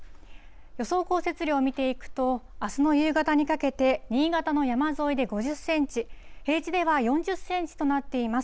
予想降雪量を見ていくと、あすの夕方にかけて、新潟の山沿いで５０センチ、平地では４０センチとなっています。